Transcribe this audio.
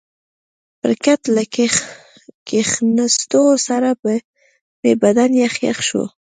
پر کټ له کښېنستو سره به مې بدن یخ یخ شو.